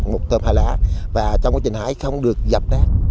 một tôm hà lá và trong quá trình hái không được dập đá